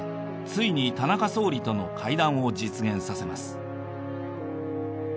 ついに田中総理との会談を実現させます。